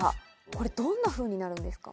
これ、どんなふうになるんですか？